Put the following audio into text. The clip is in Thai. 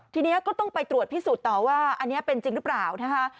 ทีนี้ก็ต้องไปตรวจพิสูจน์ต่อว่าอันนี้เป็นจริงหรือเปล่านะคะ